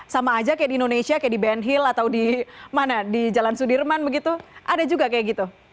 sama aja kayak di indonesia kayak di ben hill atau di mana di jalan sudirman begitu ada juga kayak gitu